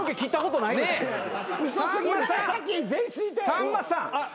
さんまさん。